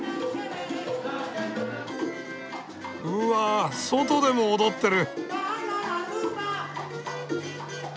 うわ外でも踊ってる！